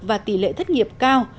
và tỷ lệ thất nghiệp cao